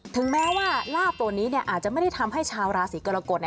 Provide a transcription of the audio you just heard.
ถึงแม้ว่าลาบตัวนี้อาจจะไม่ได้ทำให้ชาวราศีกรกฎ